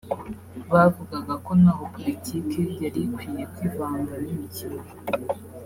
bavugaga ko ntaho politike yari ikwiye kwivanga n’imikino